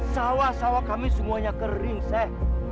sawah sawah kami semuanya kering saya